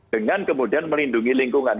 dengan kemudian melindungi lingkungan